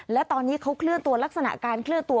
และตอนนี้เขาเคลื่อนตัวลักษณะการเคลื่อนตัว